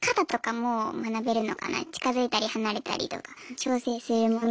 近づいたり離れたりとか調整するもの。